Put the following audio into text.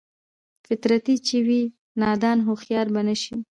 فطرتي چې وي نادان هوښيار به نشي